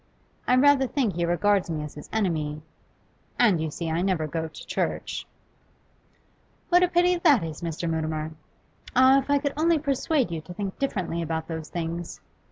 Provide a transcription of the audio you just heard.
I rather think he regards me as his enemy. And, you see, I never go to church.' 'What a pity that is, Mr. Mutimer! Ah, if I could only persuade you to think differently about those things!